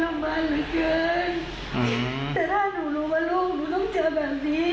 แต่ถ้าหนูรู้ว่าลูกหนูต้องเจอแบบนี้